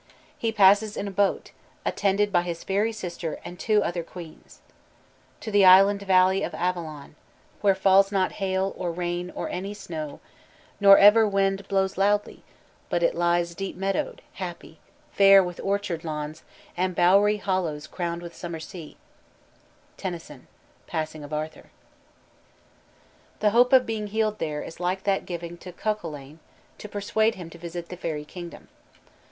He passes in a boat, attended by his fairy sister and two other queens, "'To the island valley of Avilion; Where falls not hail, or rain, or any snow, Nor ever wind blows loudly; but it lies Deep meadowed, happy, fair with orchard lawns And bowery hollows crown'd with summer sea '" TENNYSON: Passing of Arthur. The hope of being healed there is like that given to Cuchulain (q. v.), to persuade him to visit the fairy kingdom.